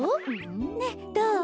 ねっどう？